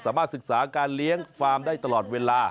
สามารถศึกษาการเลี้ยงฟาร์มได้ตลอดเวลา